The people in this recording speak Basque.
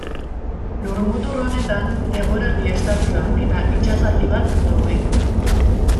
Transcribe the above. Lurmutur honetan eguraldi estazioa eta itsasargi bat daude.